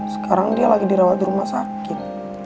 sekarang dia lagi dirawat di rumah sakit